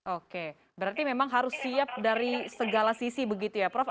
oke berarti memang harus siap dari segala sisi begitu ya prof